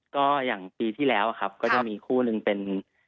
ก็อย่างปีที่แล้วครับก็จะมีคู่หนึ่งเป็น